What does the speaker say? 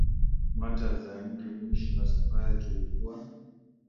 motors za nje mwisho wa safari tulikuwa